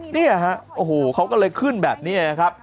เนี่ยฮะโอ้โหเขาก็เลยขึ้นแบบนี้นะครับ